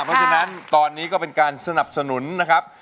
เพราะฉะนั้นตอนนี้ก็เป็นการสนับสนุนนะครับ